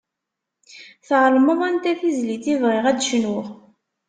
Tεelmeḍ anta tizlit i bɣiɣ ad d-cnuɣ.